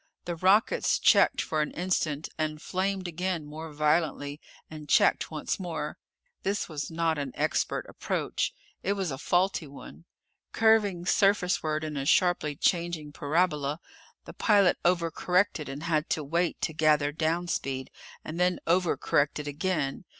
The rockets checked for an instant, and flamed again more violently, and checked once more. This was not an expert approach. It was a faulty one. Curving surface ward in a sharply changing parabola, the pilot over corrected and had to wait to gather down speed, and then over corrected again.